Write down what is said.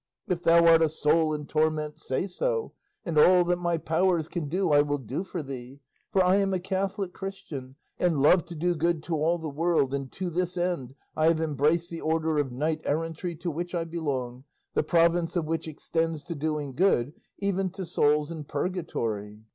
If thou art a soul in torment, say so, and all that my powers can do I will do for thee; for I am a Catholic Christian and love to do good to all the world, and to this end I have embraced the order of knight errantry to which I belong, the province of which extends to doing good even to souls in purgatory."